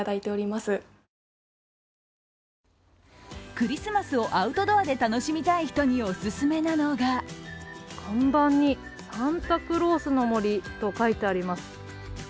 クリスマスをアウトドアで楽しみたい人にオススメなのが看板に、サンタクロースの森と書いてあります。